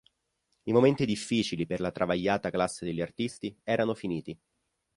I momenti difficili per "la travagliata classe degli artisti" erano finiti".